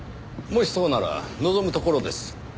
もしそうなら望むところです。